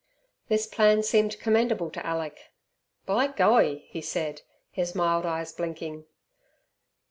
This plan seemed commendable to Alick. "By Goey," he said, his mild eyes blinking.